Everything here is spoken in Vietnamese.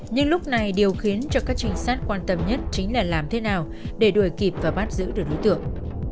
nhưng lúc này điều khiến cho các trinh sát quan tâm nhất chính là làm thế nào để đuổi kịp và bắt giữ được đối tượng